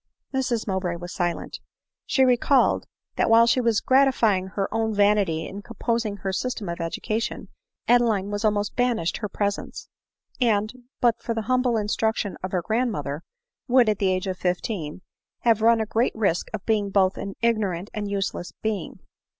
Mrs Mowbray was silent ; she recollected, that while she was gratifying her own vanity in composing her sys tem of education, Adeline was almost banished her pre sence ; and, but for the humble instruction of her grand mother, would, at the age of fifteen, have run a great risk of being both an ignorant and useless being.